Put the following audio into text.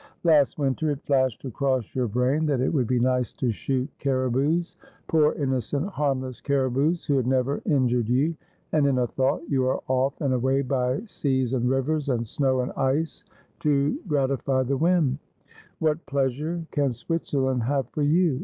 ' Last winter it flashed acfoss your brain that it would be nice to shoot cariboos — poor innocent harmless cariboos, who had never in jured you — and, in a thought, you are off and away by seas and rivers and snow and ice to gratify the whim. What pleasure can Switzerland have for you